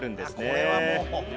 これはもう。